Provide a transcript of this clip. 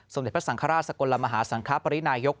เด็จพระสังฆราชสกลมหาสังคปรินายก